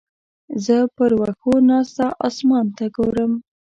زه پر وښو ناسته اسمان ته ګورم.